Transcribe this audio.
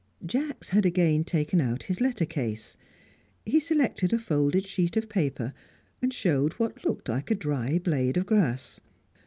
Jacks had again taken out his letter case. He selected a folded sheet of paper, and showed what looked like a dry blade of grass.